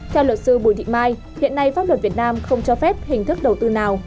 theo luật sư bùi thị mai hiện nay pháp luật việt nam không cho phép hình thức đầu tư nào